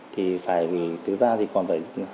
thì phải tự ra thì còn phải